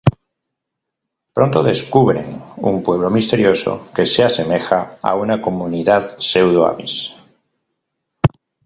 Pronto, descubren un pueblo misterioso que se asemeja a una comunidad pseudo Amish.